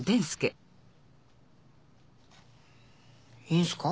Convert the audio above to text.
いいんすか？